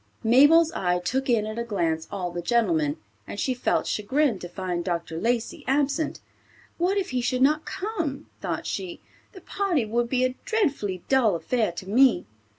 Mabel's eye took in at a glance all the gentlemen, and she felt chagrined to find Dr. Lacey absent. "What if he should not come?" thought she. "The party would be a dreadfully dull affair to me."